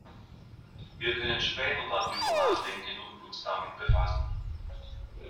Wir können später darüber nachdenken und uns damit befassen.